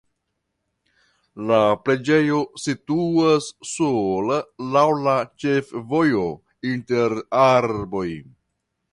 La preĝejo situas sola laŭ la ĉefvojo inter arboj.